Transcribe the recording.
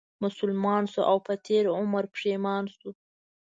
مسلمان شو او په تېر عمر پښېمان شو